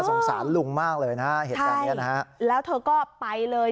สงสารลุงมากเลยนะฮะเหตุการณ์เนี้ยนะฮะแล้วเธอก็ไปเลย